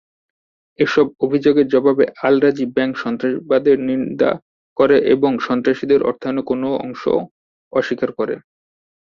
এসব অভিযোগের জবাবে আল রাজি ব্যাংক সন্ত্রাসবাদের নিন্দা করে এবং সন্ত্রাসীদের অর্থায়নে কোনও অংশ অস্বীকার করে।